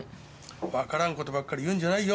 わからんことばっかり言うんじゃないよ